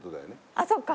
ああそっか。